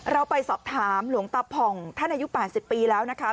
เราไปสอบถามหลวงตาผ่องท่านอายุ๘๐ปีแล้วนะคะ